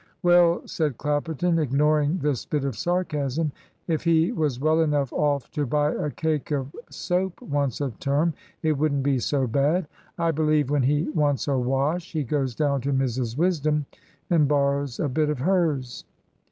"Well," said Clapperton, ignoring this bit of sarcasm, "if he was well enough off to buy a cake of soap once a term, it wouldn't be so bad. I believe when he wants a wash he goes down to Mrs Wisdom and borrows a bit of hers."